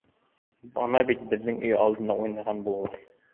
Ана бит, беҙҙең өй алдында уйнаған булалар.